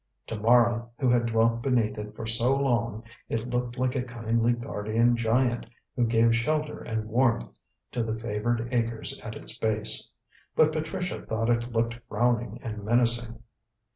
To Mara, who had dwelt beneath it for so long, it looked like a kindly guardian giant, who gave shelter and warmth to the favoured acres at its base; but Patricia thought it looked frowning and menacing.